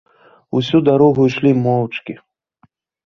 Усю дарогу ішлі моўчкі.